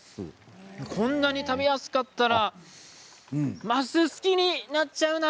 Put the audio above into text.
こんなに食べやすかったらマス、好きになっちゃうな。